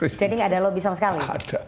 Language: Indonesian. jadi gak ada lobby sama sekali